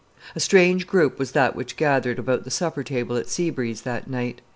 A strange group was that which gathered about the supper table at Sea Breeze that night.